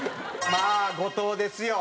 まあ後藤ですよ。